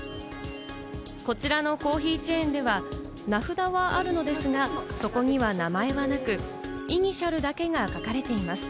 こちらのコーヒーチェーンでは名札はあるのですが、そこには名前はなく、イニシャルだけが書かれています。